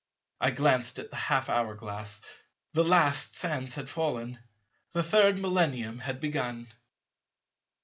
I glanced at the half hour glass. The last sands had fallen. The third Millennium had begun.